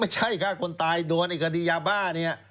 ไม่ใช่ค่ะคนตายโดนเอกดียาบ้านี่